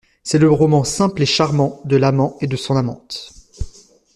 C’est le roman simple et charmant De l’amant et de son amante.